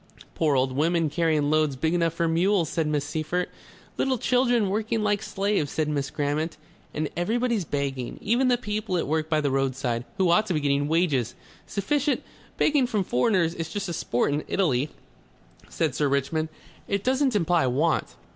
"Poor old women carrying loads big enough for mules," said Miss Seyffert. "Little children working like slaves," said Miss Grammont. "And everybody begging. Even the people at work by the roadside. Who ought to be getting wages sufficient...." "Begging from foreigners is just a sport in Italy," said Sir Richmond. "It doesn't imply want.